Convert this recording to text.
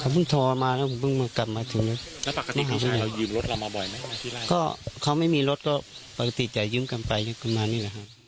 มีโทรมาแล้วพึ่งมากลับมาถึงแล้วก็เขาไม่มีรถก็มีรถไปนี่